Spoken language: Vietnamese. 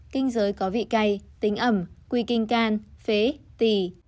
kinh giới có vị cay tính ẩm quy kinh can phế tỉ